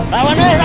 tidak ada apa apa